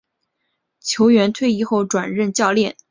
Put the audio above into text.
球员退役后转任教练。